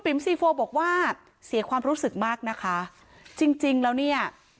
ซีโฟบอกว่าเสียความรู้สึกมากนะคะจริงจริงแล้วเนี่ย